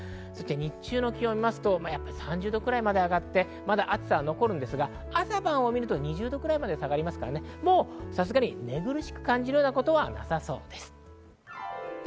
日中の気温を見ますと、３０度くらいまで上がって、まだ暑さは残るんですが、朝晩は２０度くらいまで下がりますから、さすがに寝苦しく感じることはなさそうです。